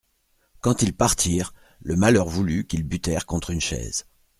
Quand ils partirent, le malheur voulut qu'ils butèrent contre une chaise.